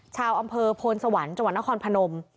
ชาวอำเภอโพนสวรรค์จนครพนม